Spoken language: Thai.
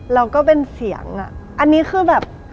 แล้วก็เป็นเสียงอ่ะอันนี้คือแบบ